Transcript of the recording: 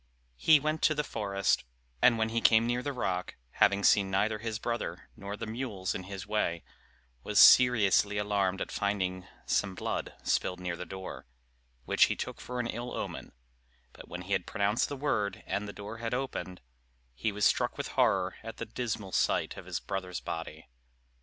He went to the forest, and when he came near the rock, having seen neither his brother nor the mules in his way, was seriously alarmed at finding some blood spilled near the door, which he took for an ill omen; but when he had pronounced the word, and the door had opened, he was struck with horror at the dismal sight of his brother's body.